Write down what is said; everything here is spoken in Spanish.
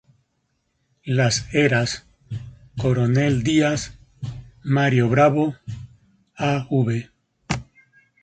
Las Heras, Coronel Díaz, Mario Bravo, Av.